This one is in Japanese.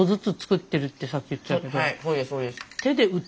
はいそうですそうです。